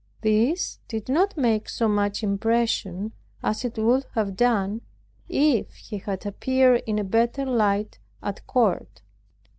This did not make so much impression as it would have done, if he had appeared in a better light at Court.